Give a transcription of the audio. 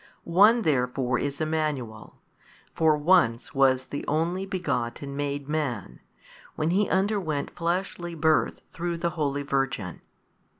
One therefore is Emmanuel, for once was the Only Begotten made Man, when He underwent fleshly Birth through the holy Virgin.